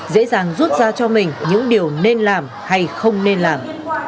dễ dàng rút ra cho mình những điều nên làm hay không nên làm